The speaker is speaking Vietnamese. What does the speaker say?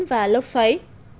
và lốc xoáy